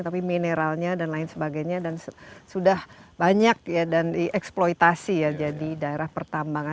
tapi mineralnya dan lain sebagainya dan sudah banyak ya dan dieksploitasi ya jadi daerah pertambangan